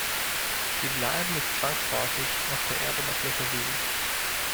Sie bleiben nicht zwangsläufig auf der Erdoberfläche liegen.